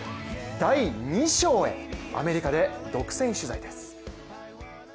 第２章へ、アメリカで独占取材です。